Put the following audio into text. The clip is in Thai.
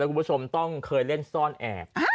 และคุณผู้ชมเคยเล่นซ่อนแอบ